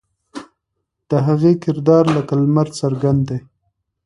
د هغې کردار لکه لمر څرګند دی.